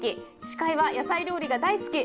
司会は野菜料理が大好き